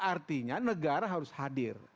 artinya negara harus hadir